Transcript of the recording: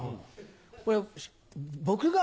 これ僕が。